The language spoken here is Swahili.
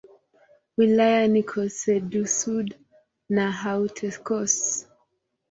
Wilaya ni Corse-du-Sud na Haute-Corse.